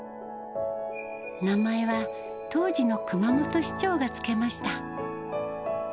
名前は、当時の熊本市長が付けました。